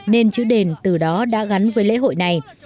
nên chữ đền từ đó đã gắn với lễ hội này